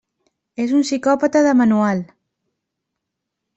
És un psicòpata de manual.